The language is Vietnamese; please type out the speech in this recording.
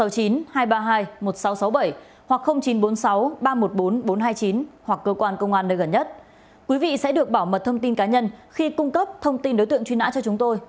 các đối tượng sẽ được bảo mật thông tin cá nhân khi cung cấp thông tin đối tượng truy nã cho chúng tôi